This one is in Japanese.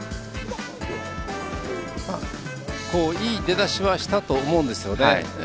いい出だしはしたと思うんですよね。